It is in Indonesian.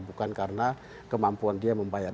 bukan karena kemampuan dia membayar